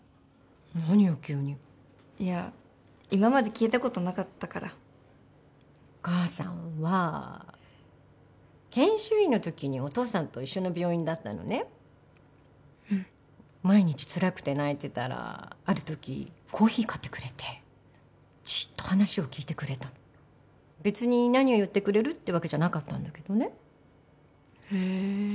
何よ急にいや今まで聞いたことなかったからお母さんは研修医のときにお父さんと一緒の病院だったのね毎日つらくて泣いてたらあるときコーヒー買ってくれてじっと話を聞いてくれたの別に何を言ってくれるってわけじゃなかったんだけどねへえ